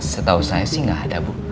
setau saya sih gak ada bu